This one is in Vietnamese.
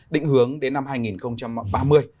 định hướng đến năm hai nghìn ba mươi